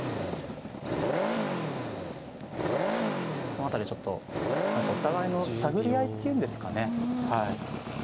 この辺りはちょっと何かお互いの探り合いっていうんですかね。